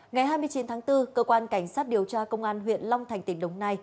ngày hai mươi chín tháng bốn cơ quan cảnh sát điều tra công an huyện long thành tỉnh đồng nai